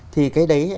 thì cái đấy